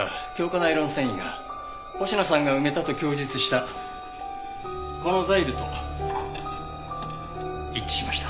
ナイロン繊維が星名さんが埋めたと供述したこのザイルと一致しました。